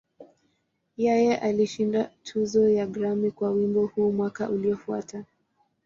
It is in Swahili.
Yeye alishinda tuzo ya Grammy kwa wimbo huu mwaka uliofuata.